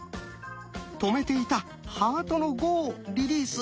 止めていたハートの「５」をリリース。